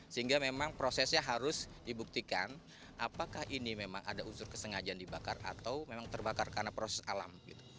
sehingga memang prosesnya harus dibuktikan apakah ini memang ada unsur kesengajaan dibakar atau memang terbakar karena proses alam